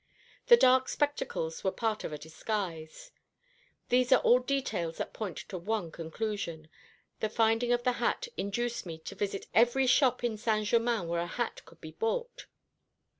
The dark spectacles were part of a disguise. These are all details that point to one conclusion. The finding of the hat induced me to visit every shop in Saint Germain where a hat could be bought.